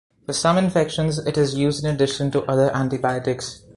For some infections it is used in addition to other antibiotics.